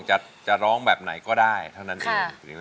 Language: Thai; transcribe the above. จะร้องแบบไหนก็ได้เท่านั้นเอง